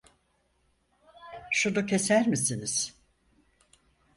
Şunu keser misiniz?